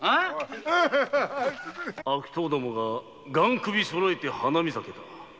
悪党どもが雁首そろえて花見酒か。